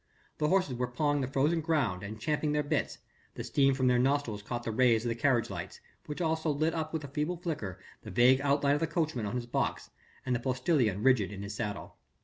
The horses were pawing the frozen ground and champing their bits the steam from their nostrils caught the rays of the carriage lamps, which also lit up with a feeble flicker the vague outline of the coachman on his box and of the postilion rigid in his saddle.